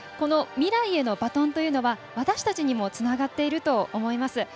未来へのバトンというのは私たちにもつながってると思います。